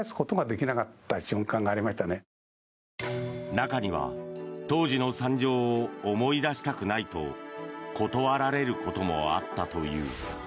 中には当時の惨状を思い出したくないと断られることもあったという。